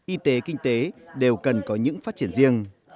y tế kinh tế đều cần có những phát triển riêng